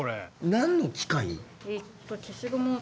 何の機械？